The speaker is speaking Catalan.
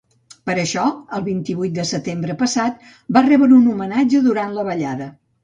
Per això, el vint-i-vuit de setembre passat va rebre un homenatge durant la ballada.